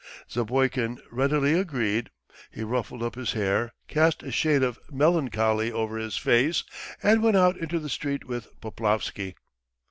Zapoikin readily agreed. He ruffled up his hair, cast a shade of melancholy over his face, and went out into the street with Poplavsky.